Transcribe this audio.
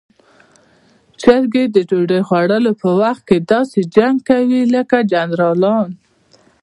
چرګې د ډوډۍ خوړلو په وخت کې داسې جنګ کوي لکه جنرالان.